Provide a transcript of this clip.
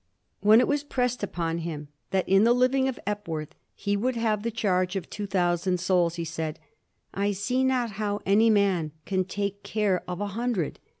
When it was pressed upon him that in the living of Epworth he would have the charge of two thou sand souls he said, '^ I see not how any man can take care of a hundred."